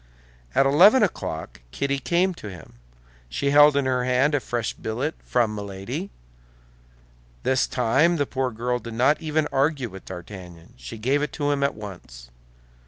At eleven o'clock Kitty came to him. She held in her hand a fresh billet from Milady. This time the poor girl did not even argue with D'Artagnan; she gave it to him at once.